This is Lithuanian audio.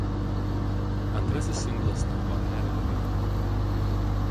Antrasis singlas tapo „Hallelujah“.